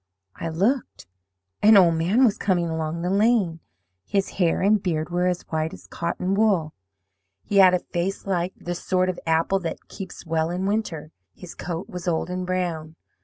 "I looked. An old man was coming along the lane. His hair and beard were as white as cotton wool. He had a face like the sort of apple that keeps well in winter; his coat was old and brown.